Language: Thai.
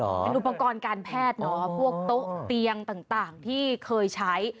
เป็นอุปกรณ์การแพทย์เนอะพวกโต๊ะเตียงต่างที่เคยใช้